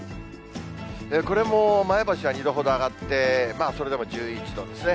これも前橋は２度ほど上がって、それでも１１度ですね。